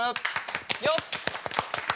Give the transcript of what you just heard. よっ！